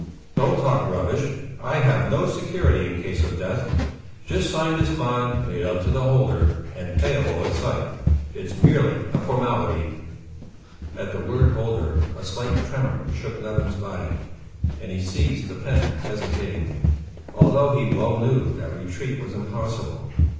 "Don't talk rubbish! I have no security in case of death. Just sign this bond made out to the holder and payable at sight. It's merely a formality." At the word holder a slight tremor shook Levin's body, and he seized the pen hesitatingly, although he well knew that retreat was impossible.